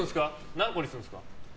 何個にするんですか？